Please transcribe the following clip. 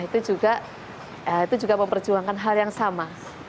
itu juga memperjuangkan hal yang sama